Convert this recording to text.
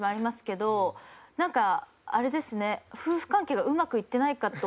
なんかあれですね。